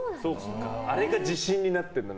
あれが自信になってる。